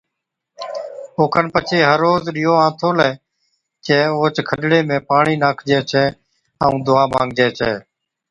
اوکن پڇي ھر روز ڏِيئو آنٿولي چَي اوھچ کڏڙي ۾ پاڻِي ناکجَي ڇَي ائُون دُعا مانگجَي ڇَي